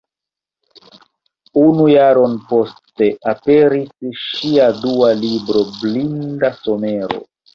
Unu jaron poste aperis ŝia dua libro Blinda somero.